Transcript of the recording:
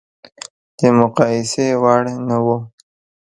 د مقایسې وړ نه و.